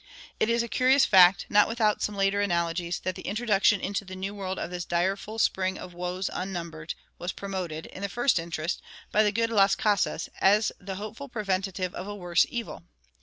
It is a curious fact, not without some later analogies, that the introduction into the New World of this "direful spring of woes unnumbered" was promoted, in the first instance, by the good Las Casas, as the hopeful preventive of a worse evil.